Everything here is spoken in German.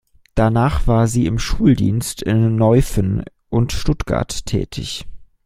Danach war sie im Schuldienst in Neuffen und Stuttgart tätig.